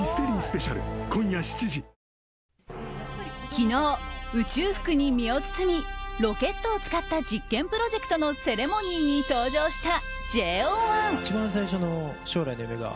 昨日、宇宙服に身を包みロケットを使った実験プロジェクトのセレモニーに登場したＪＯ１。